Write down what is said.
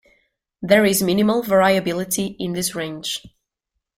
There is minimal variability in this range.